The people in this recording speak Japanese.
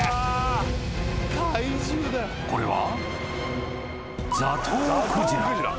［これは？］